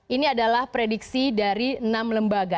ini adalah prediksi dari enam lembaga